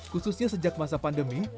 khususnya sejak masa pandemi